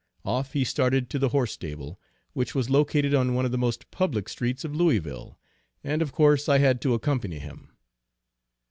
Off he started to the horse stable which was located on one of the most public streets of Louisville, and of course I had to accompany him.